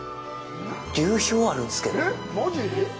流氷あるんすけど。